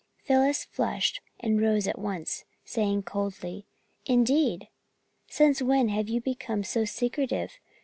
Phyllis flushed and rose at once, saying coldly: "Indeed? Since when have you become so secretive?